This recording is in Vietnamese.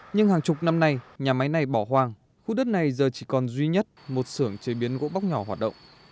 nhưng hàng chục năm nay nhà máy này bỏ hoang khu đất này giờ chỉ còn duy nhất một sưởng chế biến gỗ bóc nhỏ hoạt động